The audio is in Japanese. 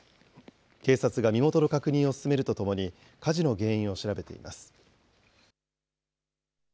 警察が身元の確認を進めるとともに、火事の原因を調べています。